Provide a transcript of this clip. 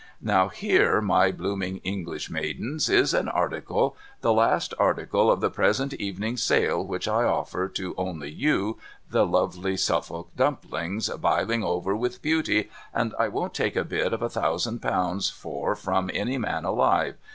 ' Now here, my blooming English maidens, is an article, the last article of the present evening's sale, which I offer to only you, the lovely Suffolk Dumplings biling over with beauty, and I won't take a bid of a thousand pounds for from any man alive.